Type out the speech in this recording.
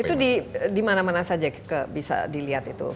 itu dimana mana saja bisa dilihat itu